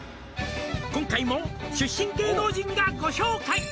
「今回も出身芸能人がご紹介」